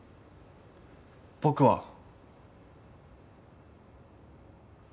僕は。